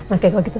oke kalau gitu